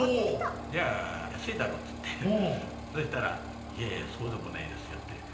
じゃあ安いだろうっていってそうしたらいやいやそうでもないですよって。